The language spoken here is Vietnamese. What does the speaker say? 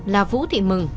là vũ thị mừng